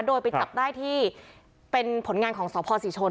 โดยไปจับได้ที่เป็นผลงานของสพศรีชน